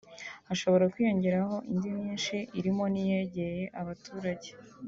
hashobora kwiyongeraho indi myinshi irimo n’iyegeye abaturage